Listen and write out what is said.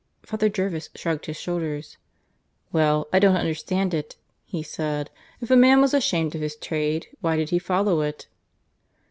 Father Jervis shrugged his shoulders. "Well, I don't understand it," he said. "If a man was ashamed of his trade, why did he follow it?"